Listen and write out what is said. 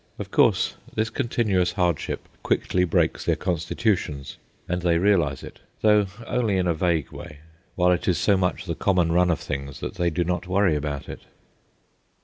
Of course, this continuous hardship quickly breaks their constitutions, and they realise it, though only in a vague way; while it is so much the common run of things that they do not worry about it.